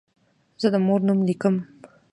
زه د مور نوم لیکم.